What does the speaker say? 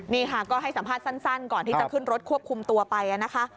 นี่ค่ะก็ให้สัมภาษณ์สั้นก่อนที่จะขึ้นรถควบคุมตัวไปนะคะ